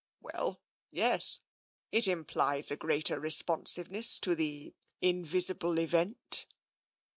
" Well, yes. It implies a greater responsiveness to the invisible event."